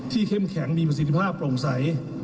เข้มแข็งมีประสิทธิภาพโปร่งใส